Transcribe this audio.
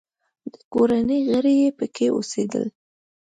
د کورنۍ غړي یې پکې اوسېدل.